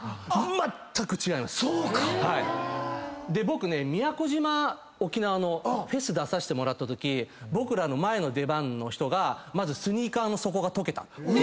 僕ね宮古島沖縄のフェス出させてもらったとき僕らの前の出番の人がまずスニーカーの底がとけた。